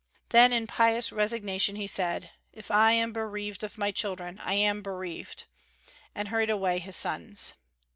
Then in pious resignation he said, "If I am bereaved of my children, I am bereaved," and hurried away his sons.